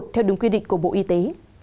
theo đúng quy định của bộ y tế